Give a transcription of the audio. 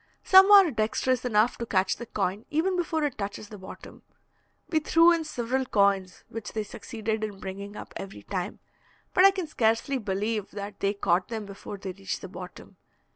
Some are dexterous enough to catch the coin even before it touches the bottom. We threw in several coins, which they succeeded in bringing up every time, but I can scarcely believe that they caught them before they reached the bottom.